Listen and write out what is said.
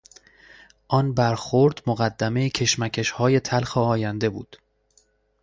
آن برخورد مقدمهی کشمکشهای تلخ آینده بود.